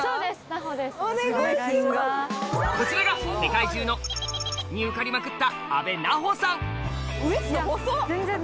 こちらが世界中のに受かりまくったいや全然全然。